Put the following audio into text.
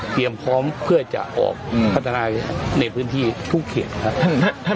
พร้อมเพื่อจะออกพัฒนาในพื้นที่ทุกเขตครับ